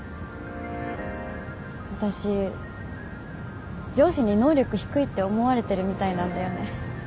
私上司に能力低いって思われてるみたいなんだよね